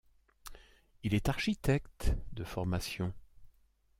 Il est architecte de formation.